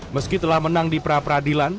meski telah menang di pra peradilan